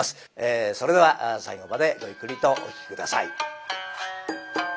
それでは最後までごゆっくりとお聴き下さい。